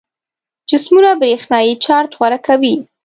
جسمونه برېښنايي چارج غوره کوي.